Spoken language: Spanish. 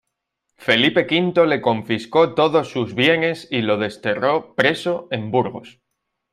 Felipe V le confiscó todos sus bienes y lo desterró preso en Burgos.